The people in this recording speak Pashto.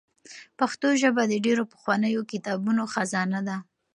پښتو ژبه د ډېرو پخوانیو کتابونو خزانه ده.